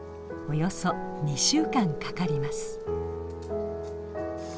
およそ２週間かかります。